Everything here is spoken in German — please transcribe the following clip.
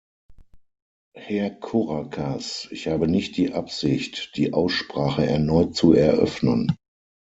Herr Korakas, ich habe nicht die Absicht, die Aussprache erneut zu eröffnen.